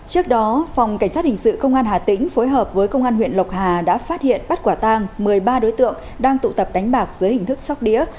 trước đó phòng cảnh sát hình sự công an hà tĩnh phối hợp với công an huyện lộc hà đã phát hiện bắt quả tang một mươi ba đối tượng đang tụ tập đánh bạc dưới hình thức sóc đĩa